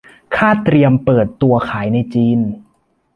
คาดเตรียมเปิดตัวขายในจีน